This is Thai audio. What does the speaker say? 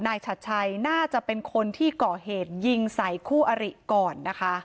ฉัดชัยน่าจะเป็นคนที่ก่อเหตุยิงใส่คู่อริก่อนนะคะ